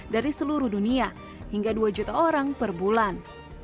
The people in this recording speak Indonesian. dari seluruh dunia hingga dua juta orang per bulan